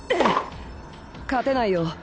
勝てないよ。